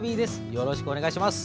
よろしくお願いします。